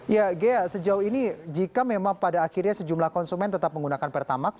ya ghea sejauh ini jika memang pada akhirnya sejumlah konsumen tetap menggunakan pertamax